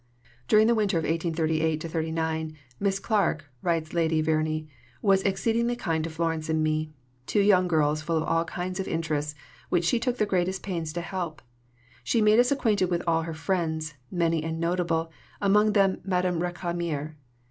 During the winter of 1838 39 Miss Clarke, writes Lady Verney, was "exceedingly kind to Florence and me, two young girls full of all kinds of interests, which she took the greatest pains to help. She made us acquainted with all her friends, many and notable, among them Madame Récamier.